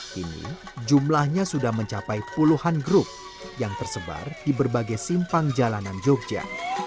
kini jumlahnya sudah mencapai puluhan grup yang tersebar di berbagai simpang jalanan jogja